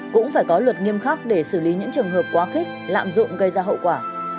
cũng phải có luật nghiêm khắc để xử lý những trường hợp quá khích lạm dụng gây ra hậu quả